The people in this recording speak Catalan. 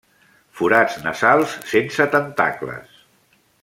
Forats nasals sense tentacles.